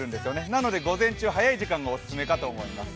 なので午前中早い時間がオススメかと思います。